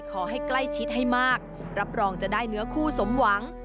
ขอให้ใกล้ชิดให้มากรับรองจะได้เนื้อคู่สมหวัง